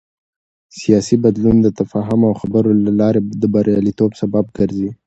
سیاسي بدلون د تفاهم او خبرو له لارې د بریالیتوب سبب ګرځي